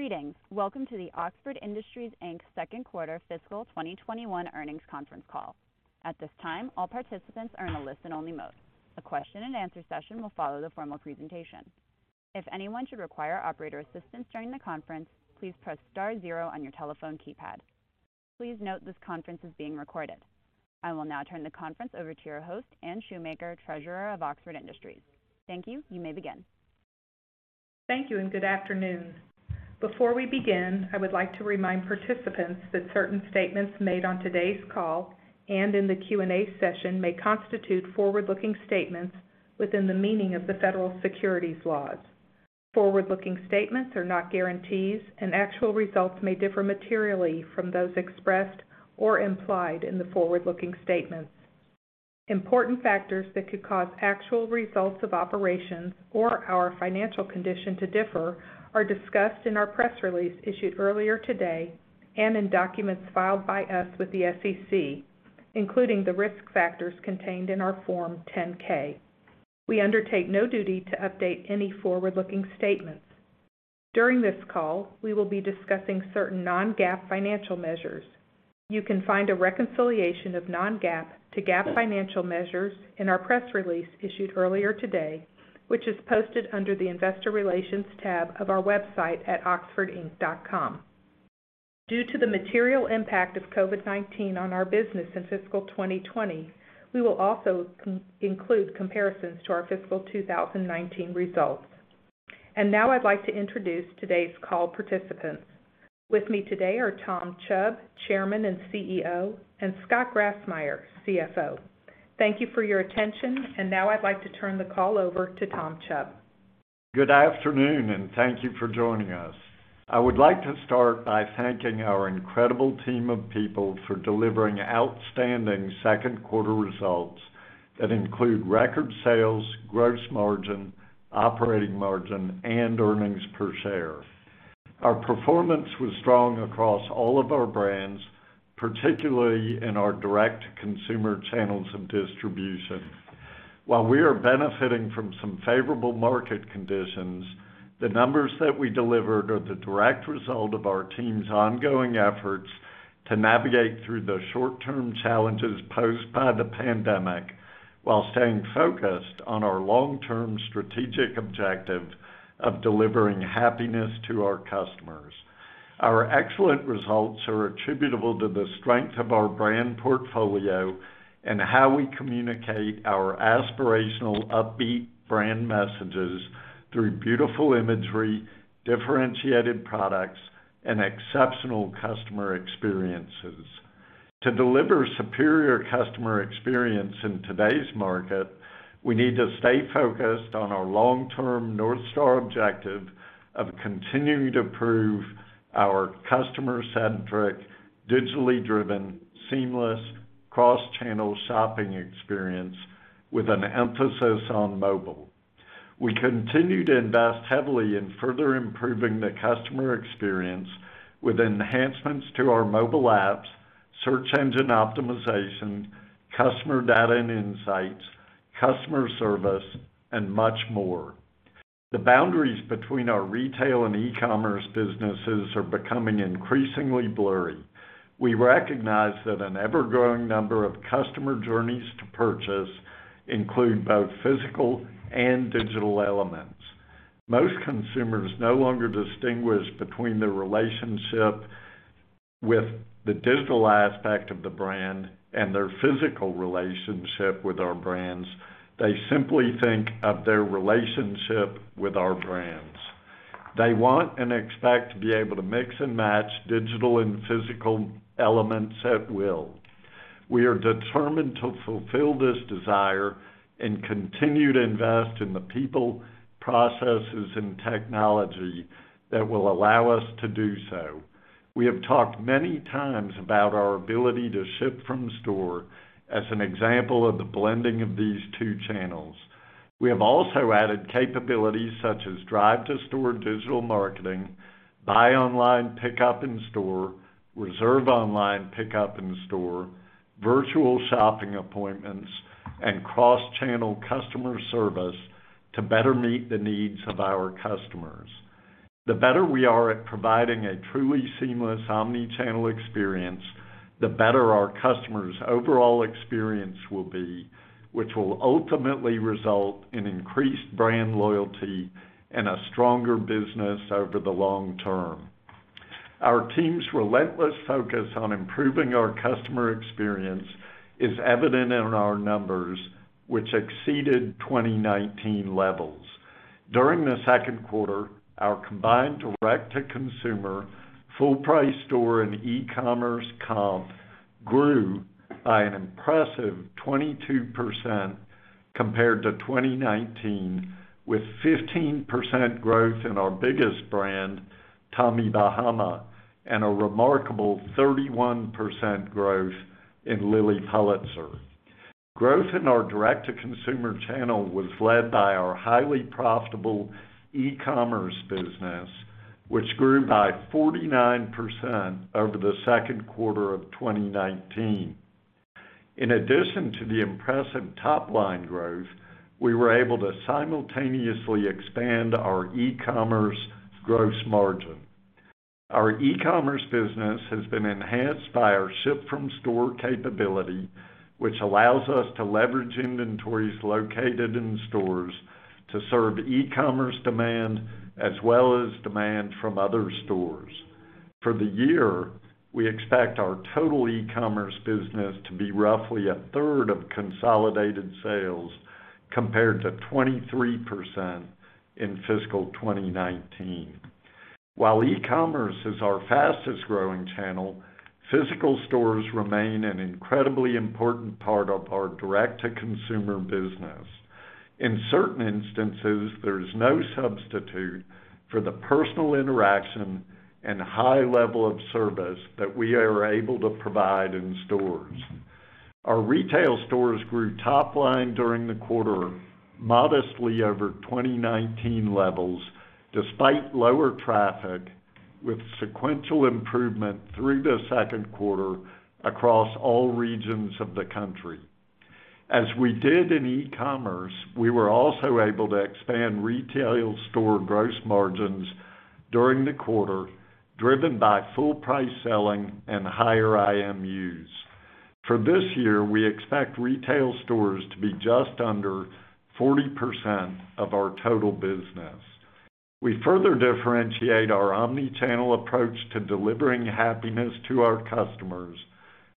Greetings. Welcome to the Oxford Industries Inc.'s Second Quarter Fiscal 2021 earnings conference call. At this time, all participants are in a listen-only mode. A question and answer session will follow the formal presentation. If anyone should require operator assistance during the conference, please press star zero on your telephone keypad. Please note this conference is being recorded. I will now turn the conference over to your host, Anne Shoemaker, Treasurer of Oxford Industries. Thank you. You may begin. Thank you and good afternoon. Before we begin, I would like to remind participants that certain statements made on todays call and in the Q&A session may constitute forward-looking statements within the meaning of the federal securities laws. Forward-looking statements are not guarantees, and actual results may differ materially from those expressed or implied in the forward-looking statements. Important factors that could cause actual results of operations or our financial condition to differ are discussed in our press release issued earlier today and in documents filed by us with the SEC, including the risk factors contained in our Form 10-K. We undertake no duty to update any forward-looking statements. During this call, we will be discussing certain non-GAAP financial measures. You can find a reconciliation of non-GAAP to GAAP financial measures in our press release issued earlier today, which is posted under the investor relations tab of our website at oxfordinc.com. Due to the material impact of COVID-19 on our business in fiscal 2020, we will also include comparisons to our fiscal 2019 results. Now I'd like to introduce todays call participants. With me today are Tom Chubb, Chairman and CEO, and Scott Grassmyer, CFO. Thank you for your attention and now I'd like to turn the call over to Tom Chubb. Good afternoon and thank you for joining us. I would like to start by thanking our incredible team of people for delivering outstanding second quarter results that include record sales, gross margin, operating margin, and earnings per share. Our performance was strong across all of our brands, particularly in our direct-to-consumer channels of distribution. While we are benefiting from some favorable market conditions, the numbers that we delivered are the direct result of our team's ongoing efforts to navigate through the short-term challenges posed by the pandemic while staying focused on our long-term strategic objective of delivering happiness to our customers. Our excellent results are attributable to the strength of our brand portfolio and how we communicate our aspirational, upbeat brand messages through beautiful imagery, differentiated products, and exceptional customer experiences. To deliver superior customer experience in todays market, we need to stay focused on our long-term north star objective of continuing to improve our customer-centric, digitally driven, seamless, cross-channel shopping experience with an emphasis on mobile. We continue to invest heavily in further improving the customer experience with enhancements to our mobile apps, search engine optimization, customer data and insights, customer service, and much more. The boundaries between our retail and e-commerce businesses are becoming increasingly blurry. We recognize that an ever-growing number of customer journeys to purchase include both physical and digital elements. Most consumers no longer distinguish between their relationship with the digital aspect of the brand and their physical relationship with our brands. They simply think of their relationship with our brands. They want and expect to be able to mix and match digital and physical elements at will. We are determined to fulfill this desire and continue to invest in the people, processes, and technology that will allow us to do so. We have talked many times about our ability to ship-from-store as an example of the blending of these two channels. We have also added capabilities such as drive to store digital marketing, buy online, pickup in store, reserve online, pickup in store, virtual shopping appointments, and cross-channel customer service to better meet the needs of our customers. The better we are at providing a truly seamless omni-channel experience, the better our customers' overall experience will be, which will ultimately result in increased brand loyalty and a stronger business over the long term. Our team's relentless focus on improving our customer experience is evident in our numbers, which exceeded 2019 levels. During the second quarter, our combined direct-to-consumer full price store and e-commerce comp grew by an impressive 22% compared to 2019, with 15% growth in our biggest brand, Tommy Bahama, and a remarkable 31% growth in Lilly Pulitzer. Growth in our direct-to-consumer channel was led by our highly profitable e-commerce business, which grew by 49% over the second quarter of 2019. In addition to the impressive top-line growth, we were able to simultaneously expand our e-commerce gross margin. Our e-commerce business has been enhanced by our ship-from-store capability, which allows us to leverage inventories located in stores to serve e-commerce demand as well as demand from other stores. For the year, we expect our total e-commerce business to be roughly a third of consolidated sales, compared to 23% in fiscal 2019. While e-commerce is our fastest growing channel, physical stores remain an incredibly important part of our direct-to-consumer business. In certain instances, there's no substitute for the personal interaction and high level of service that we are able to provide in stores. Our retail stores grew top line during the quarter modestly over 2019 levels, despite lower traffic, with sequential improvement through the second quarter across all regions of the country. As we did in e-commerce, we were also able to expand retail store gross margins during the quarter, driven by full-price selling and higher IMUs. For this year, we expect retail stores to be just under 40% of our total business. We further differentiate our omni-channel approach to delivering happiness to our customers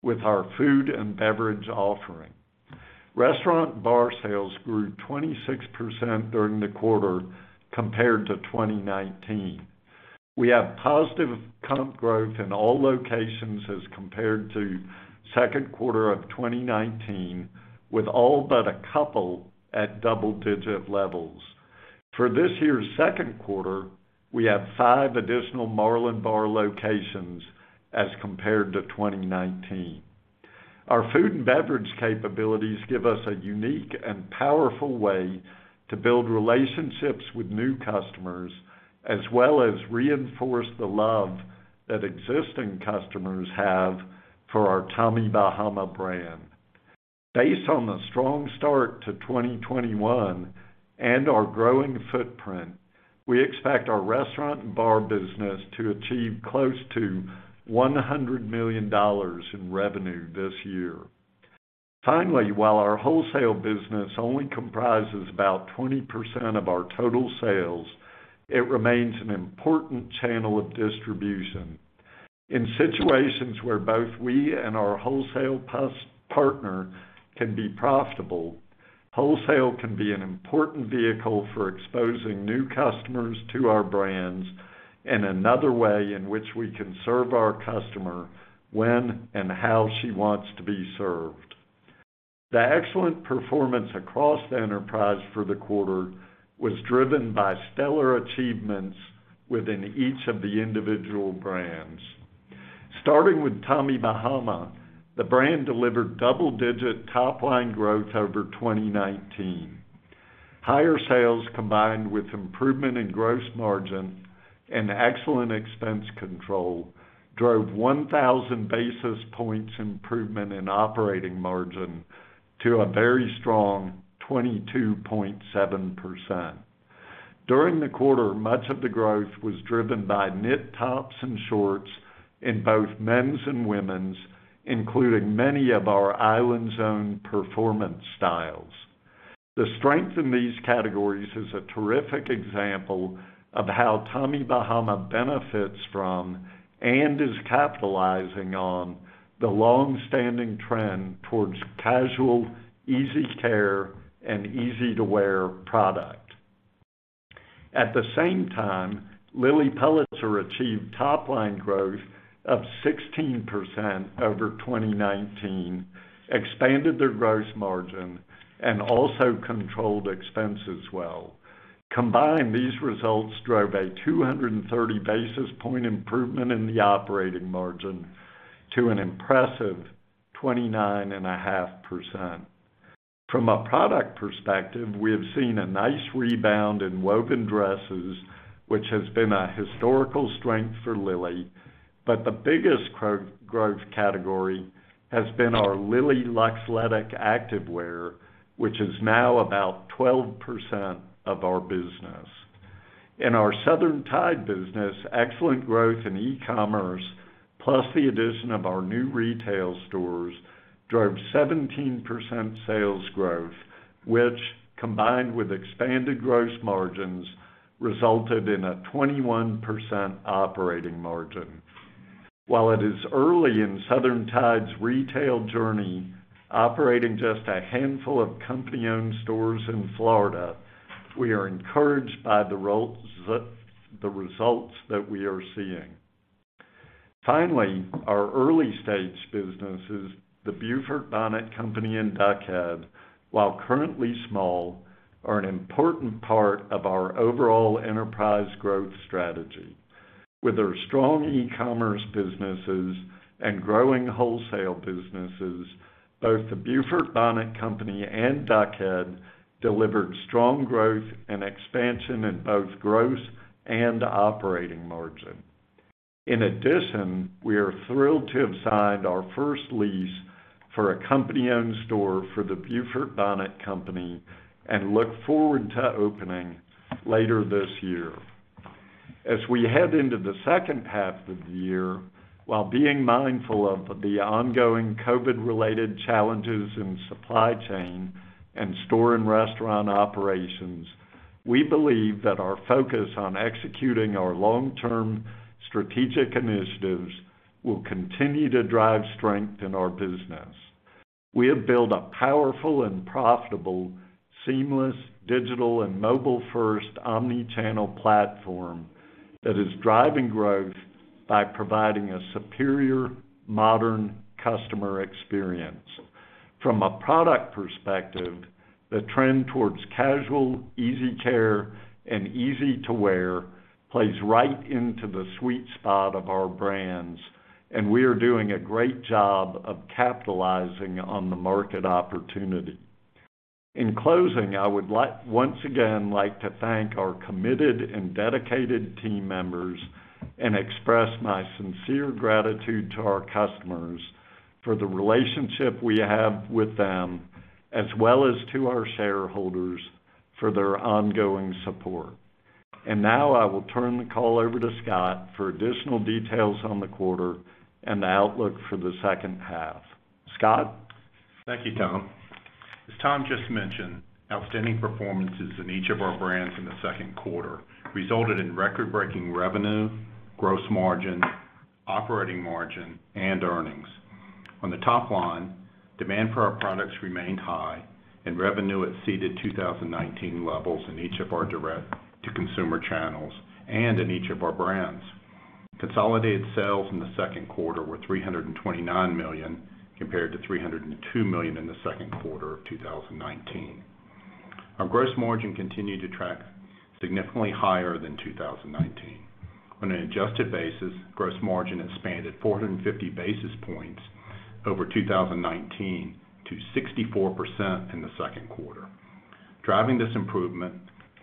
with our food and beverage offering. Restaurant and bar sales grew 26% during the quarter compared to 2019. We have positive comp growth in all locations as compared to second quarter of 2019, with all but a couple at double-digit levels. For this year's second quarter, we have five additional Marlin Bar locations as compared to 2019. Our food and beverage capabilities give us a unique and powerful way to build relationships with new customers, as well as reinforce the love that existing customers have for our Tommy Bahama brand. Based on the strong start to 2021 and our growing footprint, we expect our restaurant and bar business to achieve close to $100 million in revenue this year. Finally, while our wholesale business only comprises about 20% of our total sales, it remains an important channel of distribution. In situations where both we and our wholesale partner can be profitable, wholesale can be an important vehicle for exposing new customers to our brands and another way in which we can serve our customer when and how she wants to be served. The excellent performance across the enterprise for the quarter was driven by stellar achievements within each of the individual brands. Starting with Tommy Bahama, the brand delivered double-digit top line growth over 2019. Higher sales, combined with improvement in gross margin and excellent expense control, drove 1,000 basis points improvement in operating margin to a very strong 22.7%. During the quarter, much of the growth was driven by knit tops and shorts in both men's and women's, including many of our IslandZone performance styles. The strength in these categories is a terrific example of how Tommy Bahama benefits from, and is capitalizing on, the long-standing trend towards casual, easy care, and easy-to-wear product. At the same time, Lilly Pulitzer achieved top line growth of 16% over 2019, expanded their gross margin, and also controlled expenses well. Combined, these results drove a 230 basis point improvement in the operating margin to an impressive 29.5%. From a product perspective, we have seen a nice rebound in woven dresses, which has been a historical strength for Lilly. The biggest growth category has been our Lilly Luxletic activewear, which is now about 12% of our business. In our Southern Tide business, excellent growth in e-commerce, plus the addition of our new retail stores, drove 17% sales growth, which, combined with expanded gross margins, resulted in a 21% operating margin. While it is early in Southern Tide's retail journey, operating just a handful of company-owned stores in Florida, we are encouraged by the results that we are seeing. Finally, our early-stage businesses, The Beaufort Bonnet Company and Duck Head, while currently small, are an important part of our overall enterprise growth strategy. With their strong e-commerce businesses and growing wholesale businesses, both The Beaufort Bonnet Company and Duck Head delivered strong growth and expansion in both gross and operating margin. In addition, we are thrilled to have signed our first lease for a company-owned store for The Beaufort Bonnet Company and look forward to opening later this year. As we head into the second half of the year, while being mindful of the ongoing COVID-related challenges in supply chain and store and restaurant operations. We believe that our focus on executing our long-term strategic initiatives will continue to drive strength in our business. We have built a powerful and profitable, seamless, digital and mobile-first omni-channel platform that is driving growth by providing a superior modern customer experience. From a product perspective, the trend towards casual, easy care, and easy to wear plays right into the sweet spot of our brands, and we are doing a great job of capitalizing on the market opportunity. In closing, I would once again like to thank our committed and dedicated team members, and express my sincere gratitude to our customers for the relationship we have with them, as well as to our shareholders for their ongoing support. Now I will turn the call over to Scott for additional details on the quarter and the outlook for the second half. Scott? Thank you Tom. As Tom just mentioned, outstanding performances in each of our brands in the second quarter resulted in record-breaking revenue, gross margin, operating margin, and earnings. On the top line, demand for our products remained high, and revenue exceeded 2019 levels in each of our direct-to-consumer channels and in each of our brands. Consolidated sales in the second quarter were $329 million, compared to $302 million in the second quarter of 2019. Our gross margin continued to track significantly higher than 2019. On an adjusted basis, gross margin expanded 450 basis points over 2019 to 64% in the second quarter. Driving this improvement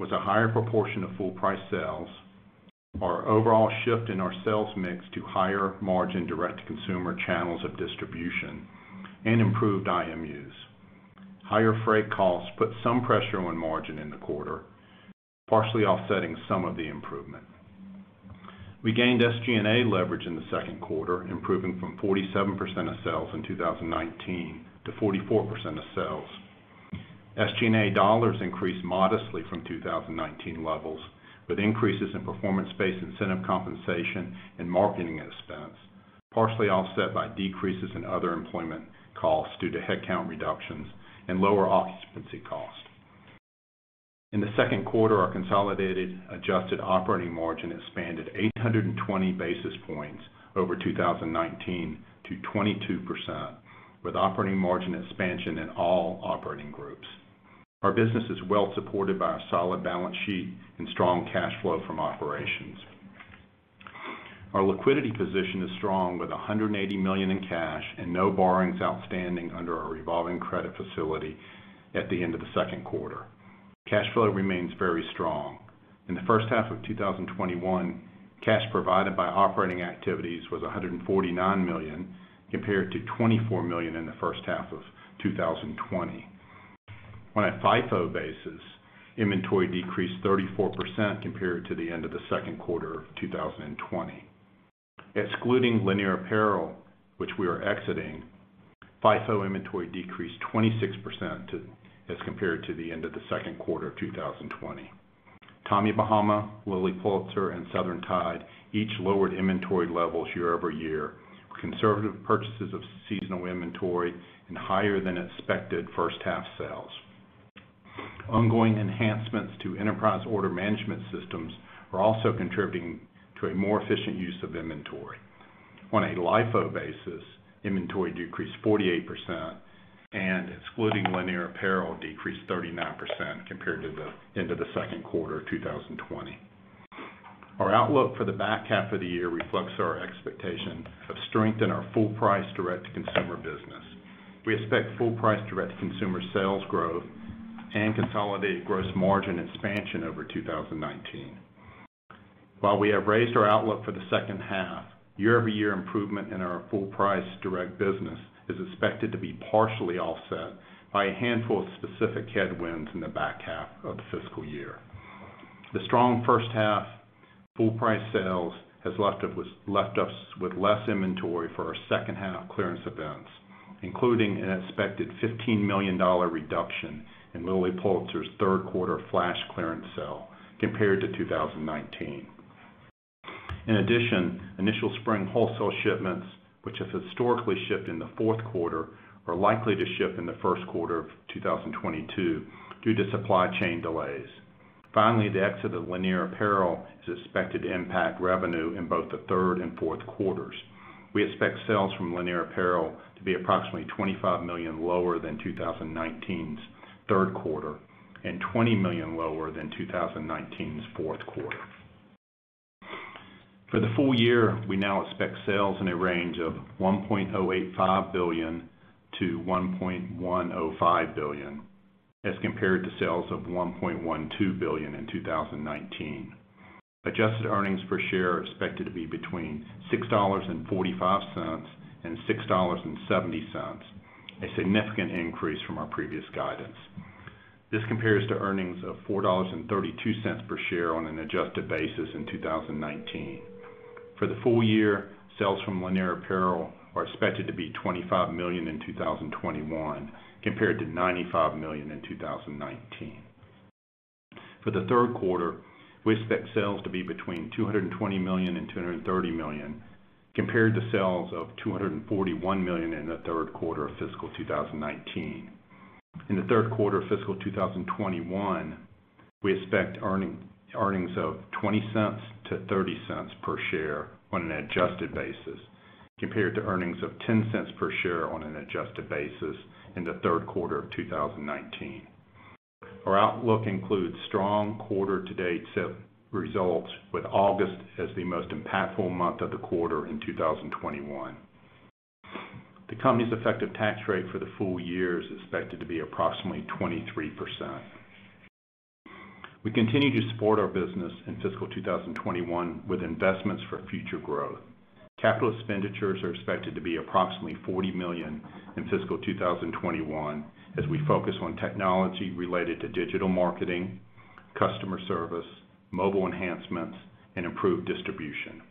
was a higher proportion of full price sales, our overall shift in our sales mix to higher margin direct-to-consumer channels of distribution, and improved IMUs. Higher freight costs put some pressure on margin in the quarter, partially offsetting some of the improvement. We gained SG&A leverage in the second quarter, improving from 47% of sales in 2019 to 44% of sales. SG&A dollars increased modestly from 2019 levels, with increases in performance-based incentive compensation and marketing expense, partially offset by decreases in other employment costs due to headcount reductions and lower occupancy costs. In the second quarter, our consolidated adjusted operating margin expanded 820 basis points over 2019 to 22%, with operating margin expansion in all operating groups. Our business is well supported by a solid balance sheet and strong cash flow from operations. Our liquidity position is strong with $180 million in cash and no borrowings outstanding under our revolving credit facility at the end of the second quarter. Cash flow remains very strong. In the first half of 2021, cash provided by operating activities was $149 million, compared to $24 million in the first half of 2020. On a FIFO basis, inventory decreased 34% compared to the end of the second quarter of 2020. Excluding Lanier Apparel, which we are exiting, FIFO inventory decreased 26% as compared to the end of the second quarter of 2020. Tommy Bahama, Lilly Pulitzer, and Southern Tide each lowered inventory levels year-over-year with conservative purchases of seasonal inventory and higher than expected first half sales. Ongoing enhancements to enterprise order management systems are also contributing to a more efficient use of inventory. On a LIFO basis, inventory decreased 48%, and excluding Lanier Apparel, decreased 39% compared to the end of the second quarter of 2020. Our outlook for the back half of the year reflects our expectation of strength in our full price direct-to-consumer business. We expect full price direct-to-consumer sales growth and consolidated gross margin expansion over 2019. While we have raised our outlook for the second half, year-over-year improvement in our full price direct business is expected to be partially offset by a handful of specific headwinds in the back half of the fiscal year. The strong first half full price sales has left us with less inventory for our second half clearance events, including an expected $15 million reduction in Lilly Pulitzer's third quarter flash clearance sale compared to 2019. In addition, initial spring wholesale shipments, which have historically shipped in the fourth quarter, are likely to ship in the first quarter of 2022 due to supply chain delays. Finally, the exit of Lanier Apparel is expected to impact revenue in both the third and fourth quarters. We expect sales from Lanier Apparel to be approximately $25 million lower than 2019's third quarter, and $20 million lower than 2019's fourth quarter. For the full year, we now expect sales in a range of $1.085 billion-$1.105 billion. As compared to sales of $1.12 billion in 2019. Adjusted earnings per share are expected to be between $6.45 and $6.70, a significant increase from our previous guidance. This compares to earnings of $4.32 per share on an adjusted basis in 2019. For the full year, sales from Lanier Apparel are expected to be $25 million in 2021, compared to $95 million in 2019. For the third quarter, we expect sales to be between $220 million and $230 million, compared to sales of $241 million in the third quarter of fiscal 2019. In the third quarter of fiscal 2021, we expect earnings of $0.20-$0.30 per share on an adjusted basis, compared to earnings of $0.10 per share on an adjusted basis in the third quarter of 2019. Our outlook includes strong quarter to date sales results, with August as the most impactful month of the quarter in 2021. The company's effective tax rate for the full year is expected to be approximately 23%. We continue to support our business in fiscal 2021 with investments for future growth. Capital expenditures are expected to be approximately $40 million in fiscal 2021, as we focus on technology related to digital marketing, customer service, mobile enhancements, and improved distribution.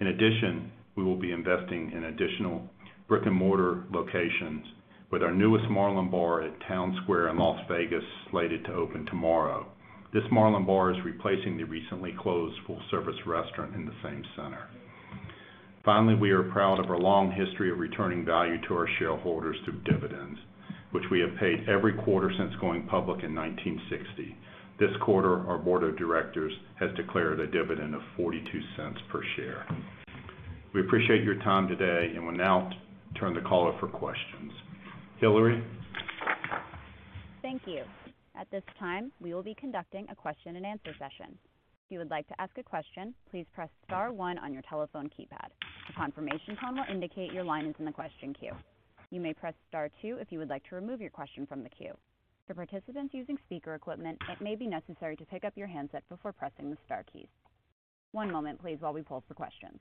In addition, we will be investing in additional brick-and-mortar locations with our newest Marlin Bar at Town Square in Las Vegas slated to open tomorrow. This Marlin Bar is replacing the recently closed full service restaurant in the same center. Finally, we are proud of our long history of returning value to our shareholders through dividends, which we have paid every quarter since going public in 1960. This quarter, our board of directors has declared a dividend of $0.42 per share. We appreciate your time today and will now turn the call over for questions. Hillary? Thank you. At this time, we will be conducting a question and answer session. If you would like to ask a question, please press star one on your telephone keypad. The confirmation tone will indicate your line is in the question queue. You may press star two if you would like to remove your question from the queue. For participants using speaker equipment, it may be necessary to pick up your handset before pressing the star key. One moment, please while we pull up the questions.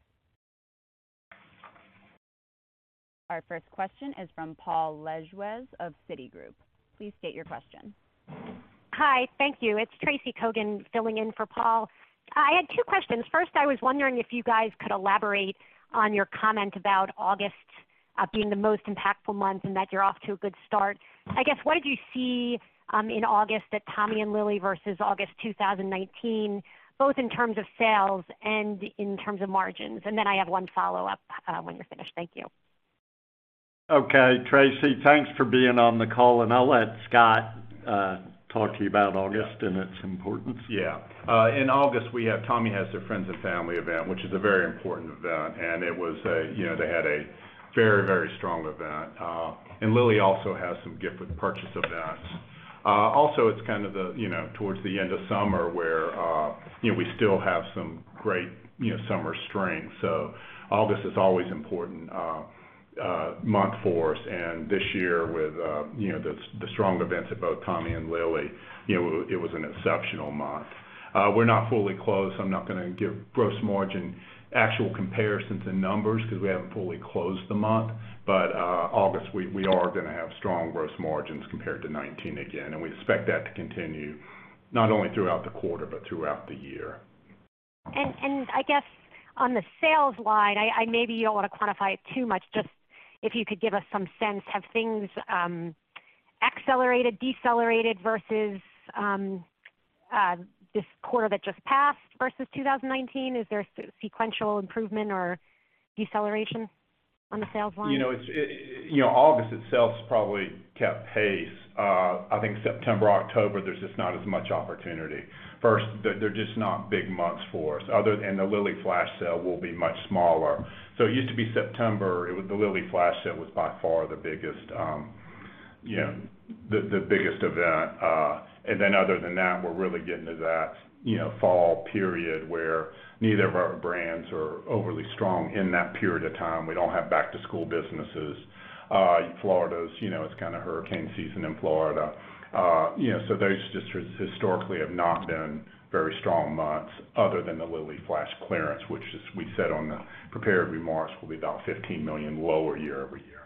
Our first question is from Paul Lejuez of Citigroup. Please state your question. Hi. Thank you. It's Tracy Kogan filling in for Paul. I had two questions. First, I was wondering if you guys could elaborate on your comment about August being the most impactful month and that you're off to a good start. I guess, what did you see in August at Tommy and Lilly versus August 2019, both in terms of sales and in terms of margins? I have one follow-up when you're finished. Thank you. Okay. Tracy thanks for being on the call and I'll let Scott talk to you about August and its importance. Yeah. In August, Tommy has their friends and family event, which is a very important event, and they had a very strong event. Lilly also has some gift with purchase events. It's towards the end of summer where we still have some great summer strength. August is always important month for us and this year with the strong events at both Tommy and Lilly, it was an exceptional month. We're not fully closed, so I'm not going to give gross margin actual comparisons in numbers because we haven't fully closed the month. August, we are going to have strong gross margins compared to 2019 again, and we expect that to continue not only throughout the quarter but throughout the year. I guess on the sales line, maybe you don't want to quantify it too much, just if you could give us some sense, have things accelerated, decelerated versus this quarter that just passed versus 2019? Is there sequential improvement or deceleration on the sales line? August itself has probably kept pace. I think September, October, there's just not as much opportunity. First, they're just not big months for us. The Lilly flash sale will be much smaller. It used to be September, the Lilly flash sale was by far the biggest event. Other than that, we're really getting to that fall period where neither of our brands are overly strong in that period of time. We don't have back to school businesses. It's hurricane season in Florida. Those just historically have not been very strong months other than the Lilly flash clearance, which, as we said on the prepared remarks, will be about $15 million lower year-over-year.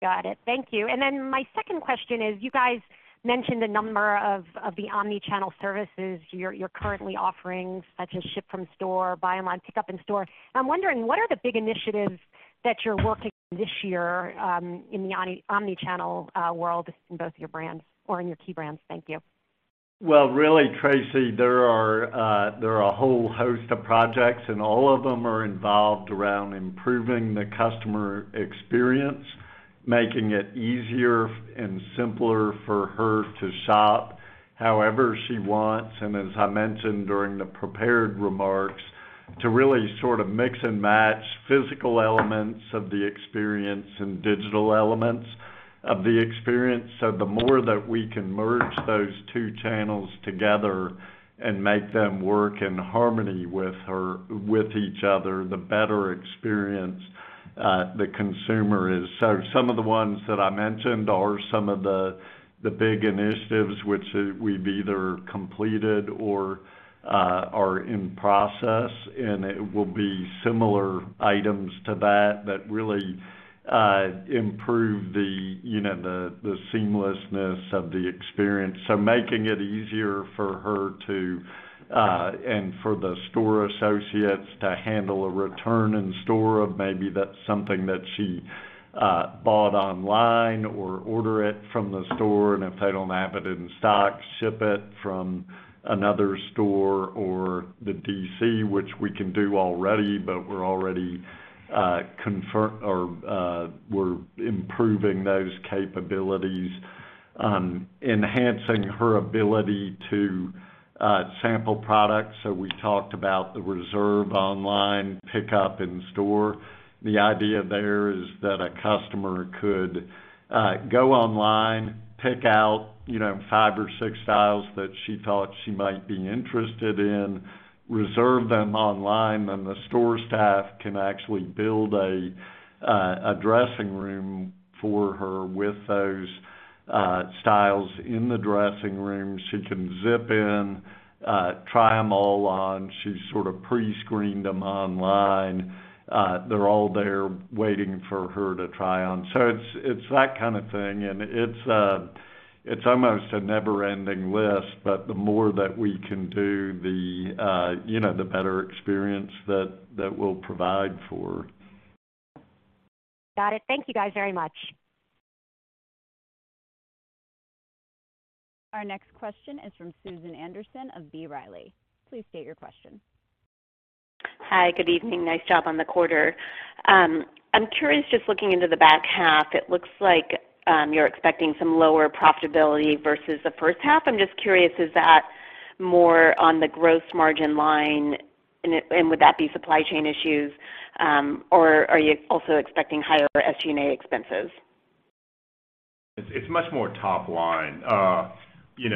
Got it. Thank you. My second question is, you guys mentioned a number of the omni-channel services you're currently offering, such as ship-from-store, buy online, pick up in store. I'm wondering what are the big initiatives that you're working on this year in the omni-channel world in both your brands or in your key brands? Thank you. Really, Tracy, there are a whole host of projects and all of them are involved around improving the customer experience, making it easier and simpler for her to shop however she wants. As I mentioned during the prepared remarks, to really sort of mix and match physical elements of the experience and digital elements of the experience. The more that we can merge those two channels together and make them work in harmony with each other, the better experience. The consumer is. Some of the ones that I mentioned are some of the big initiatives which we've either completed or are in process, and it will be similar items to that that really improve the seamlessness of the experience. Making it easier for her to, and for the store associates to handle a return in store of maybe that's something that she bought online or order it from the store, and if they don't have it in stock, ship it from another store or the DC, which we can do already, but we're improving those capabilities. Enhancing her ability to sample products. We talked about the reserve online pickup in store. The idea there is that a customer could go online, pick out five or six styles that she thought she might be interested in, reserve them online, then the store staff can actually build a dressing room for her with those styles in the dressing room. She can zip in, try them all on. She's sort of pre-screened them online. They're all there waiting for her to try on. It's that kind of thing, and it's almost a never-ending list, but the more that we can do, the better experience that we'll provide for. Got it. Thank you guys very much. Our next question is from Susan Anderson of B. Riley. Please state your question. Hi good evening. Nice job on the quarter. I'm curious, just looking into the back half, it looks like you're expecting some lower profitability versus the first half. I'm just curious, is that more on the gross margin line, and would that be supply chain issues, or are you also expecting higher SG&A expenses? It's much more top line. We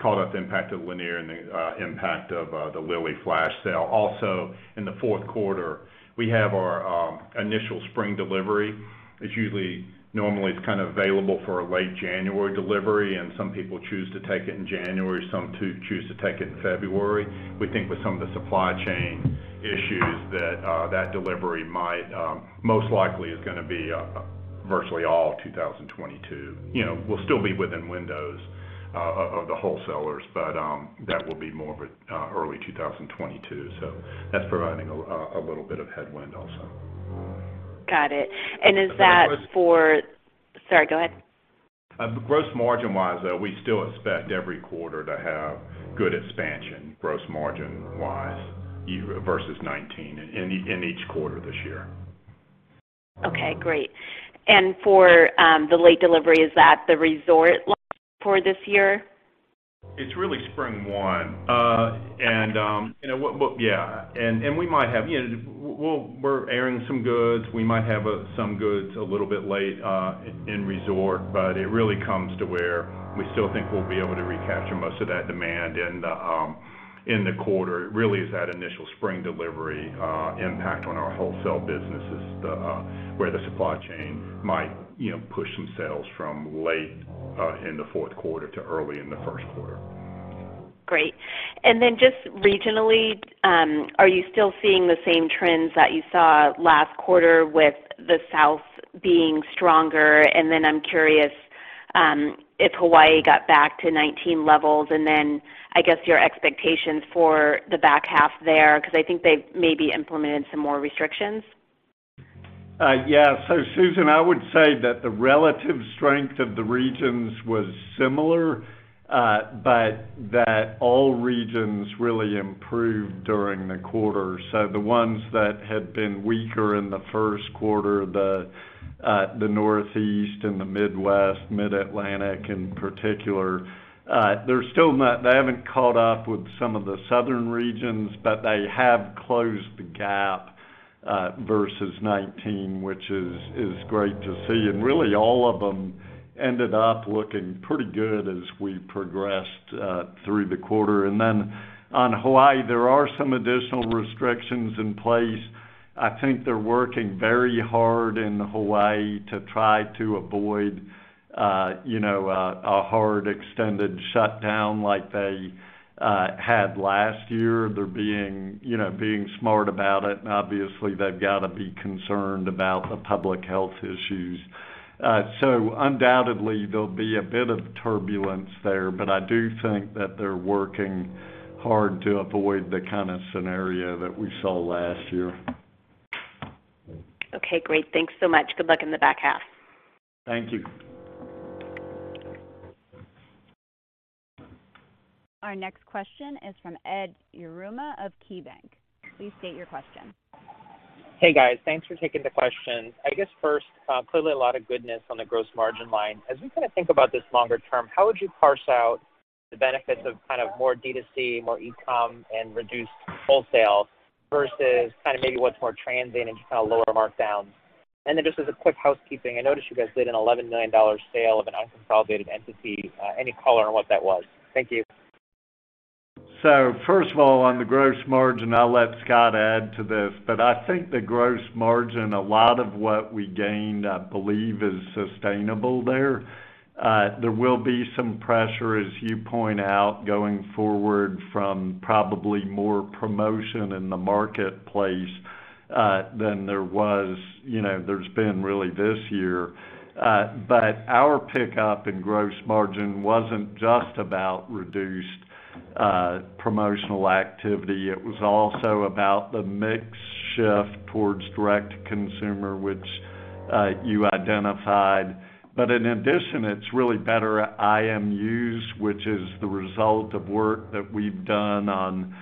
called out the impact of Lanier and the impact of the Lilly flash sale. In the fourth quarter, we have our initial spring delivery. It's usually, it's kind of available for a late January delivery, and some people choose to take it in January, some choose to take it in February. We think with some of the supply chain issues that that delivery most likely is going to be virtually all 2022. We'll still be within windows of the wholesalers, but that will be more of an early 2022. That's providing a little bit of headwind also. Got it. Is that for? Sorry go ahead. Gross margin wise, though, we still expect every quarter to have good expansion, gross margin wise, versus 2019 in each quarter this year. Okay great. For the late delivery, is that the resort line for this year? It's really Spring 1. We're airing some goods. We might have some goods a little bit late in resort, it really comes to where we still think we'll be able to recapture most of that demand in the quarter. It really is that initial spring delivery impact on our wholesale business is where the supply chain might push some sales from late in the fourth quarter to early in the first quarter. Great. Just regionally, are you still seeing the same trends that you saw last quarter with the South being stronger? I'm curious if Hawaii got back to 2019 levels and then, I guess, your expectations for the back half there, because I think they've maybe implemented some more restrictions. Yeah. Susan, I would say that the relative strength of the regions was similar, but that all regions really improved during the quarter. The ones that had been weaker in the first quarter, the Northeast and the Midwest, Mid-Atlantic in particular, they haven't caught up with some of the southern regions, but they have closed the gap versus 2019, which is great to see. Really all of them ended up looking pretty good as we progressed through the quarter. On Hawaii, there are some additional restrictions in place. I think they're working very hard in Hawaii to try to avoid a hard extended shutdown like they had last year. They're being smart about it, and obviously they've got to be concerned about the public health issues. Undoubtedly there'll be a bit of turbulence there, but I do think that they're working hard to avoid the kind of scenario that we saw last year. Okay, great. Thanks so much. Good luck in the back half. Thank you. Our next question is from Edward Yruma of KeyBanc. Please state your question. Hey, guys. Thanks for taking the questions. I guess first, clearly a lot of goodness on the gross margin line. As we kind of think about this longer term, how would you parse out the benefits of more D2C, more e-com, and reduced wholesale versus maybe what's more transient and just lower markdowns? Just as a quick housekeeping, I noticed you guys did an $11 million sale of an unconsolidated entity. Any color on what that was? Thank you. First of all, on the gross margin, I'll let Scott add to this, but I think the gross margin, a lot of what we gained, I believe, is sustainable there. There will be some pressure, as you point out, going forward from probably more promotion in the marketplace than there's been really this year. Our pickup in gross margin wasn't just about reduced promotional activity. It was also about the mix shift towards direct to consumer, which you identified. In addition, it's really better IMUs, which is the result of work that we've done on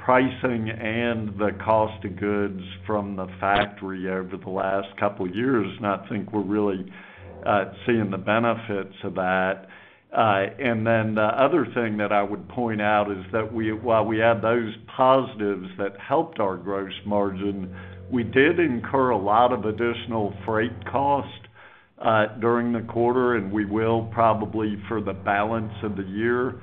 pricing and the cost of goods from the factory over the last couple of years. I think we're really seeing the benefits of that. The other thing that I would point out is that while we had those positives that helped our gross margin, we did incur a lot of additional freight cost during the quarter, and we will probably for the balance of the year.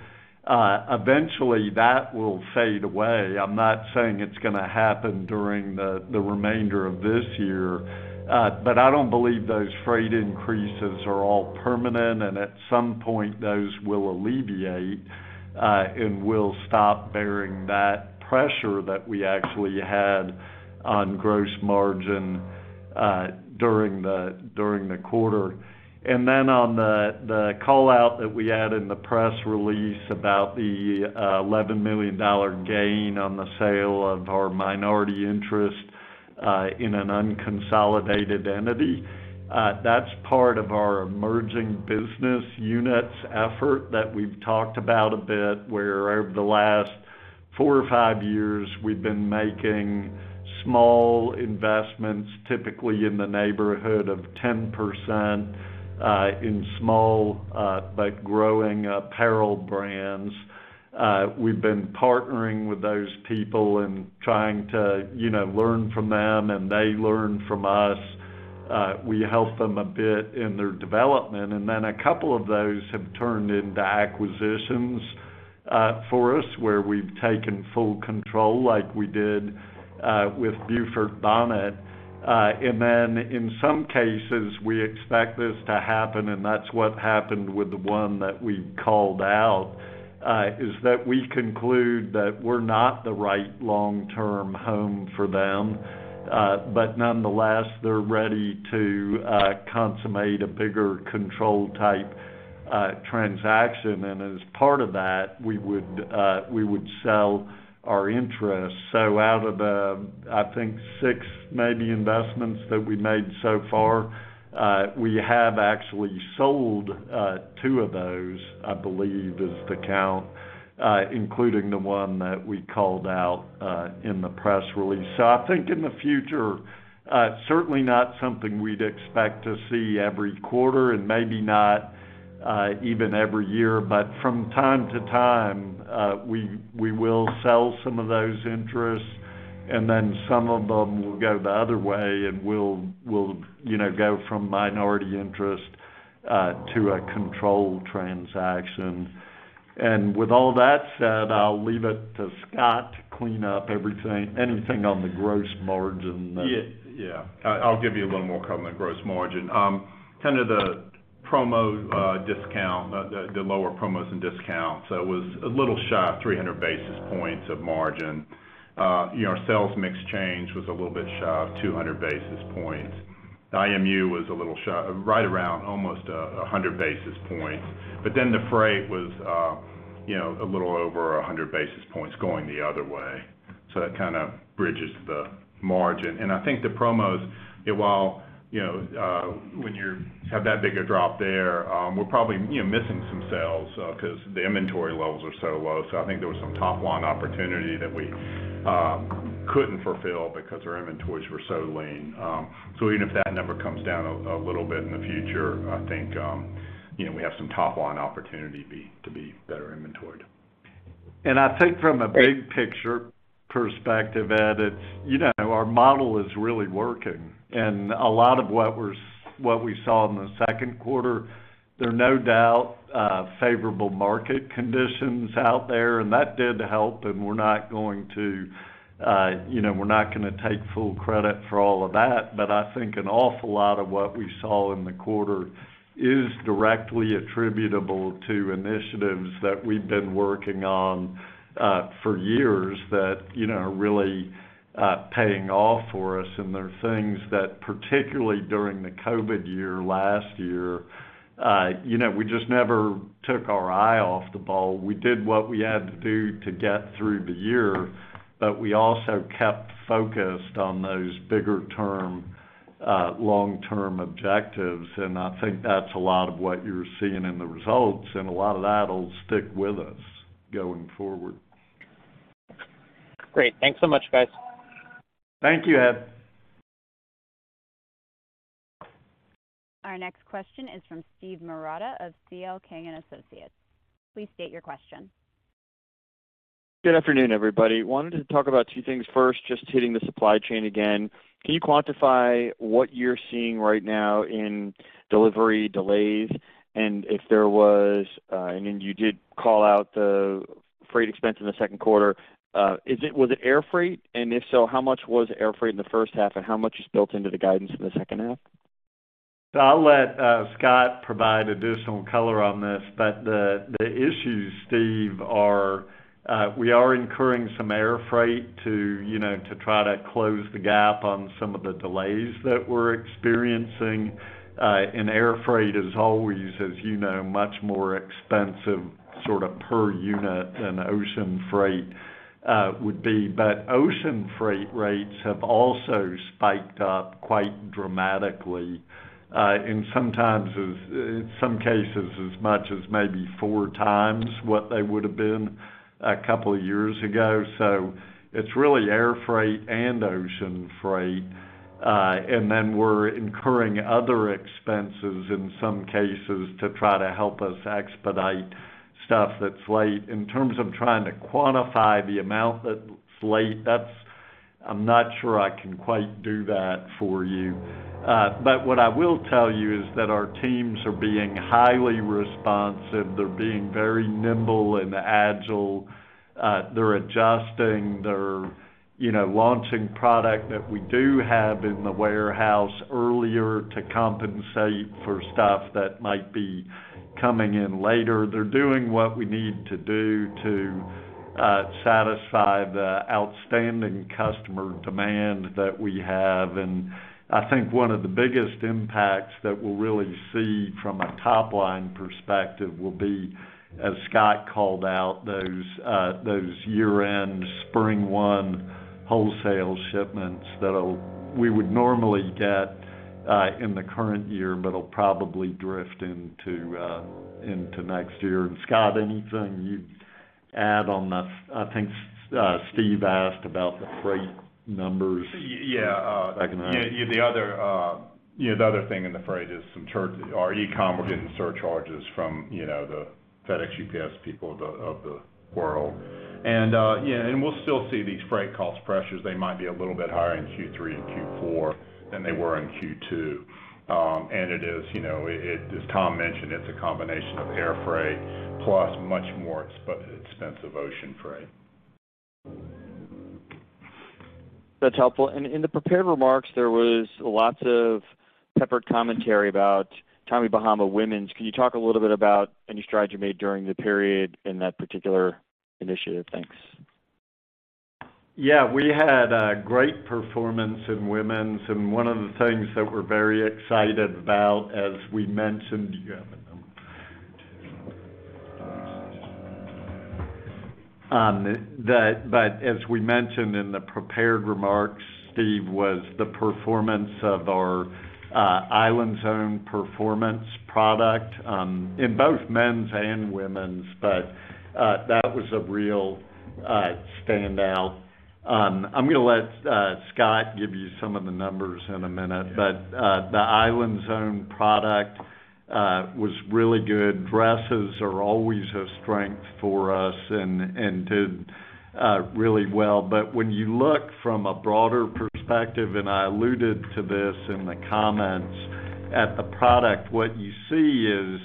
Eventually that will fade away. I'm not saying it's going to happen during the remainder of this year. I don't believe those freight increases are all permanent, and at some point those will alleviate, and we'll stop bearing that pressure that we actually had on gross margin during the quarter. Then on the call-out that we had in the press release about the $11 million gain on the sale of our minority interest in an unconsolidated entity, that's part of our emerging business units effort that we've talked about a bit, where over the last four or five years, we've been making small investments, typically in the neighborhood of 10%, in small but growing apparel brands. We've been partnering with those people and trying to learn from them, and they learn from us. We help them a bit in their development. Then a couple of those have turned into acquisitions for us, where we've taken full control, like we did with Beaufort Bonnet. Then in some cases, we expect this to happen and that's what happened with the one that we called out, is that we conclude that we're not the right long-term home for them. Nonetheless, they're ready to consummate a bigger control-type transaction. As part of that, we would sell our interest. Out of the, I think, six maybe investments that we've made so far, we have actually sold two of those, I believe is the count, including the one that we called out in the press release. I think in the future, certainly not something we'd expect to see every quarter and maybe not even every year. From time to time, we will sell some of those interests, and then some of them will go the other way and will go from minority interest to a controlled transaction. With all that said, I'll leave it to Scott to clean up anything on the gross margin. Yeah. I'll give you a little more cover on the gross margin. Kind of the promo discount, the lower promos and discounts. It was a little shy of 300 basis points of margin. Our sales mix change was a little bit shy of 200 basis points. IMU was a little shy, right around almost 100 basis points. The freight was a little over 100 basis points going the other way. That kind of bridges the margin. I think the promos, when you have that big a drop there, we're probably missing some sales because the inventory levels are so low. I think there was some top-line opportunity that we couldn't fulfill because our inventories were so lean. Even if that number comes down a little bit in the future, I think we have some top-line opportunity to be better inventoried. I think from a big picture perspective, Ed, our model is really working. A lot of what we saw in the second quarter, there're no doubt favorable market conditions out there, and that did help, and we're not going to take full credit for all of that. I think an awful lot of what we saw in the quarter is directly attributable to initiatives that we've been working on for years that are really paying off for us. They're things that particularly during the COVID year last year, we just never took our eye off the ball. We did what we had to do to get through the year, but we also kept focused on those bigger-term, long-term objectives. I think that's a lot of what you're seeing in the results, and a lot of that'll stick with us going forward. Great. Thanks so much guys. Thank you Ed. Our next question is from Steven Marotta of C.L. King & Associates. Please state your question. Good afternoon everybody. Wanted to talk about two things. First, just hitting the supply chain again. Can you quantify what you're seeing right now in delivery delays? I mean, you did call out the freight expense in the second quarter. Was it air freight? If so, how much was air freight in the first half and how much is built into the guidance for the second half? I'll let Scott provide additional color on this. The issues, Steve, are we are incurring some air freight to try to close the gap on some of the delays that we're experiencing. Air freight is always, as you know, much more expensive sort of per unit than ocean freight would be. Ocean freight rates have also spiked up quite dramatically, in some cases as much as maybe four times what they would've been a couple of years ago. It's really air freight and ocean freight. We're incurring other expenses in some cases to try to help us expedite stuff that's late. In terms of trying to quantify the amount that's late, I'm not sure I can quite do that for you. What I will tell you is that our teams are being highly responsive. They're being very nimble and agile. They're adjusting. They're launching product that we do have in the warehouse earlier to compensate for stuff that might be coming in later. They're doing what we need to do to satisfy the outstanding customer demand that we have. I think one of the biggest impacts that we'll really see from a top-line perspective will be, as Scott called out, those year-end spring one wholesale shipments that we would normally get in the current year but will probably drift into next year. Scott anything you'd add on that? I think Steve asked about the freight numbers. Yeah. Second half. The other thing in the freight is our e-com are getting surcharges from the FedEx UPS people of the world. We'll still see these freight cost pressures. They might be a little bit higher in Q3 and Q4 than they were in Q2. As Tom mentioned, it's a combination of air freight plus much more expensive ocean freight. That's helpful. In the prepared remarks, there was lots of peppered commentary about Tommy Bahama women's. Can you talk a little bit about any strides you made during the period in that particular initiative? Thanks. Yeah. We had a great performance in women's, and one of the things that we're very excited about, but as we mentioned in the prepared remarks, Steve, was the performance of our IslandZone performance product in both men's and women's. That was a real standout. I'm going to let Scott give you some of the numbers in a minute. The IslandZone product was really good. Dresses are always a strength for us and did really well. When you look from a broader perspective, and I alluded to this in the comments at the product, what you see is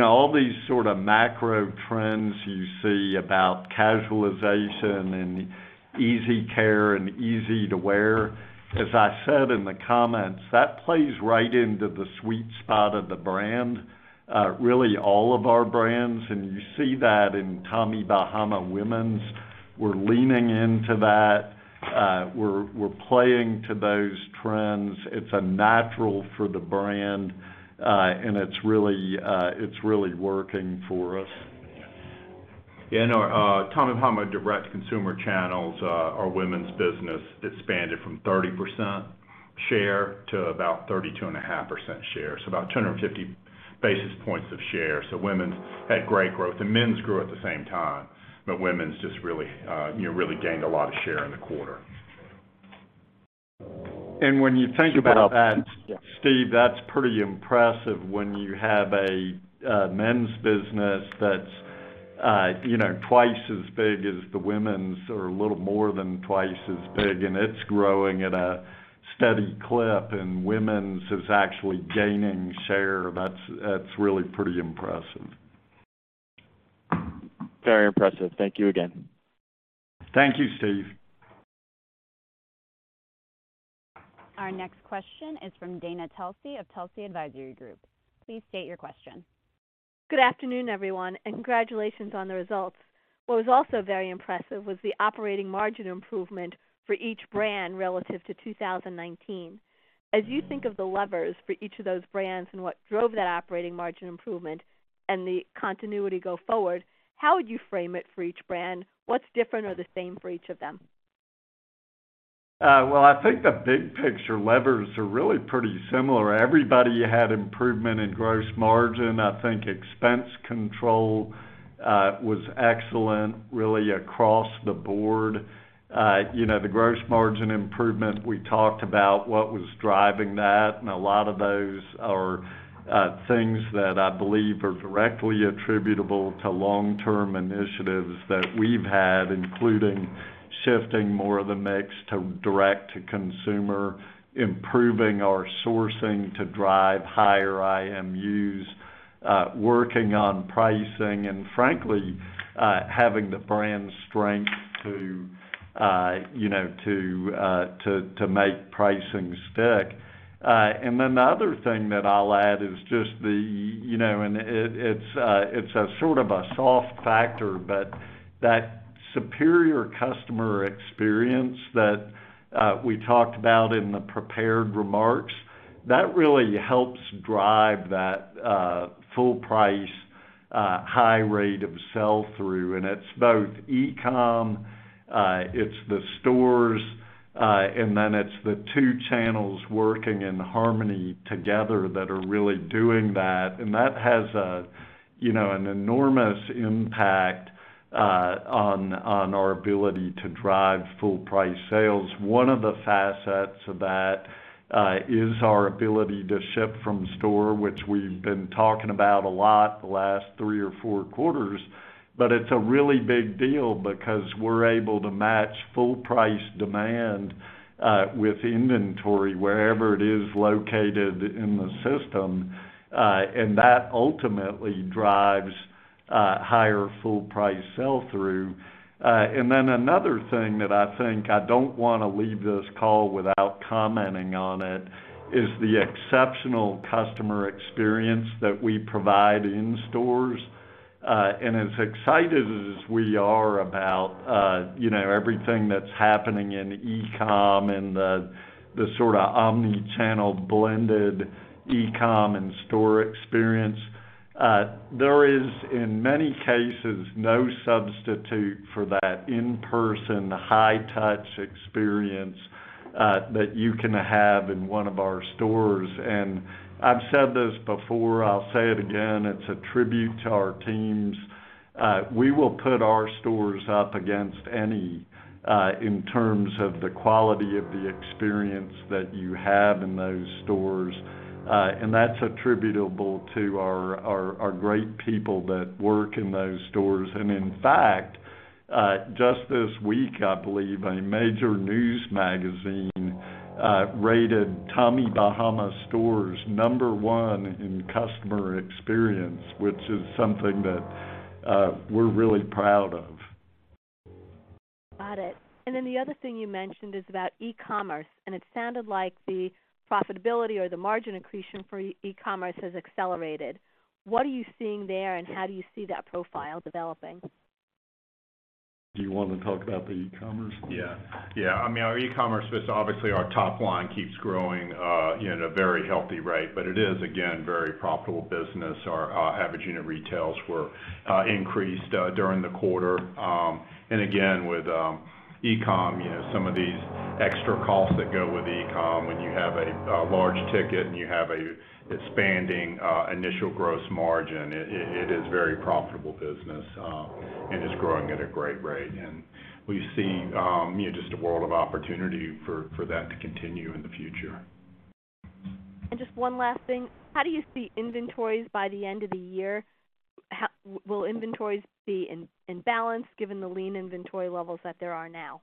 all these sort of macro trends you see about casualization and easy care and easy to wear, as I said in the comments, that plays right into the sweet spot of the brand, really all of our brands, and you see that in Tommy Bahama women's. We're leaning into that. We're playing to those trends. It's a natural for the brand. It's really working for us. Yeah. In our Tommy Bahama direct consumer channels, our women's business expanded from 30% share to about 32.5% share. About 250 basis points of share. Women's had great growth. Men's grew at the same time, but women's just really gained a lot of share in the quarter. Super helpful. Yeah. When you think about that, Steve, that's pretty impressive when you have a men's business that's twice as big as the women's, or a little more than twice as big, and it's growing at a steady clip and women's is actually gaining share. That's really pretty impressive. Very impressive. Thank you again. Thank you Steve. Our next question is from Dana Telsey of Telsey Advisory Group. Please state your question. Good afternoon everyone and congratulations on the results. What was also very impressive was the operating margin improvement for each brand relative to 2019. As you think of the levers for each of those brands and what drove that operating margin improvement and the continuity go forward, how would you frame it for each brand? What's different or the same for each of them? Well, I think the big picture levers are really pretty similar. Everybody had improvement in gross margin. I think expense control was excellent really across the board. The gross margin improvement, we talked about what was driving that. A lot of those are things that I believe are directly attributable to long-term initiatives that we've had, including shifting more of the mix to direct-to-consumer, improving our sourcing to drive higher IMUs, working on pricing, and frankly, having the brand strength to make pricing stick. The other thing that I'll add, it's a sort of a soft factor, but that superior customer experience that we talked about in the prepared remarks, that really helps drive that full price, high rate of sell-through. It's both e-com, it's the stores, it's the two channels working in harmony together that are really doing that. That has an enormous impact on our ability to drive full price sales. One of the facets of that is our ability to ship-from-store, which we've been talking about a lot the last three or four quarters, but it's a really big deal because we're able to match full price demand with inventory wherever it is located in the system. That ultimately drives higher full price sell-through. Another thing that I think I don't want to leave this call without commenting on it is the exceptional customer experience that we provide in stores. As excited as we are about everything that's happening in e-com and the sort of omni-channel blended e-com and store experience, there is, in many cases, no substitute for that in-person, high-touch experience that you can have in one of our stores. I've said this before, I'll say it again, it's a tribute to our teams. We will put our stores up against any in terms of the quality of the experience that you have in those stores. That's attributable to our great people that work in those stores. In fact, just this week, I believe, a major news magazine rated Tommy Bahama stores number one in customer experience which is something that we're really proud of. Got it. The other thing you mentioned is about e-commerce, and it sounded like the profitability or the margin accretion for e-commerce has accelerated. What are you seeing there and how do you see that profile developing? Do you want to talk about the e-commerce? Yeah. Our e-commerce business, obviously our top line keeps growing in a very healthy rate, but it is, again, very profitable business. Our average unit retails were increased during the quarter. Again, with e-com, some of these extra costs that go with e-com when you have a large ticket and you have an expanding initial gross margin, it is very profitable business, and it's growing at a great rate. We see just a world of opportunity for that to continue in the future. Just one last thing. How do you see inventories by the end of the year? Will inventories be in balance given the lean inventory levels that there are now?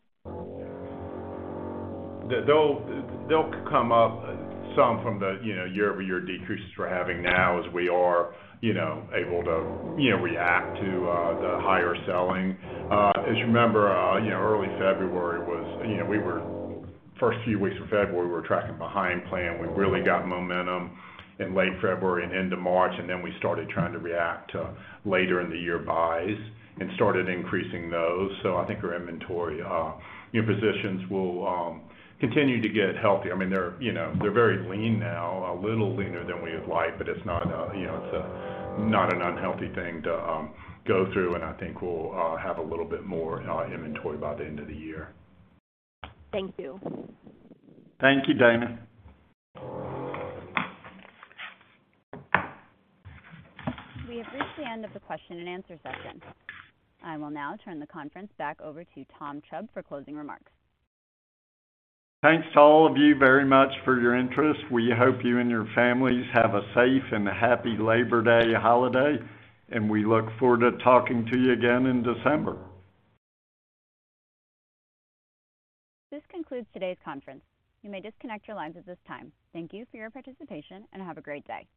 They'll come up some from the year-over-year decreases we're having now as we are able to react to the higher selling. You remember, early February, first few weeks of February, we were tracking behind plan. We really got momentum in late February and into March, and then we started trying to react to later in the year buys and started increasing those. I think our inventory positions will continue to get healthy. They're very lean now, a little leaner than we would like, but it's not an unhealthy thing to go through, and I think we'll have a little bit more inventory by the end of the year. Thank you. Thank you Dana. We have reached the end of the question and answer session. I will now turn the conference back over to Tom Chubb for closing remarks. Thanks to all of you very much for your interest. We hope you and your families have a safe and happy Labor Day holiday, and we look forward to talking to you again in December. This concludes todays conference. You may disconnect your lines at this time. Thank you for your participation and have a great day.